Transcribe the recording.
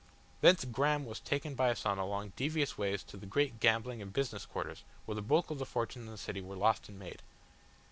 Thence Graham was taken by Asano along devious ways to the great gambling and business quarters where the bulk of the fortunes in the city were lost and made.